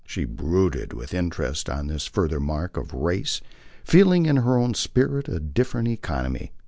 She brooded with interest on this further mark of race, feeling in her own spirit a different economy.